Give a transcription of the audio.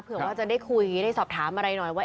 เผื่อว่าจะได้คุยได้สอบถามอะไรหน่อยว่า